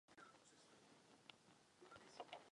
Tradičním zdrojem obživy na ostrovech je rybolov a zemědělství.